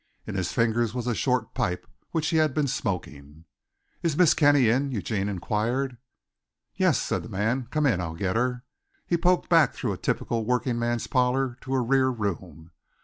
In his fingers was a short pipe which he had been smoking. "Is Miss Kenny in?" Eugene inquired. "Yus," said the man. "Come in. I'll git her." He poked back through a typical workingman's parlor to a rear room.